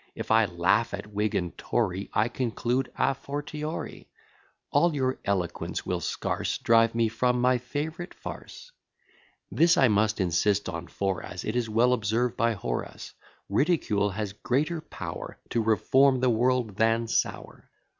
If I laugh at Whig and Tory; I conclude à fortiori, All your eloquence will scarce Drive me from my favourite farce. This I must insist on; for, as It is well observed by Horace, Ridicule has greater power To reform the world than sour.